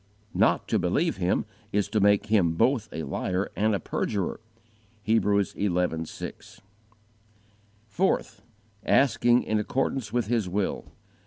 Not to believe Him is to make Him both a liar and a perjurer. (Hebrews xi. 6; vi. 13 20.) 4. Asking in accordance with His will.